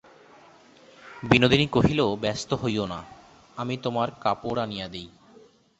বিনোদিনী কহিল, ব্যস্ত হইয়ো না, আমি তোমার কাপড় আনিয়া দিই।